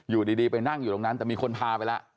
อยู่ดีไปนั่งอยู่ตรงนั้นแต่มีคนพาไปแล้ว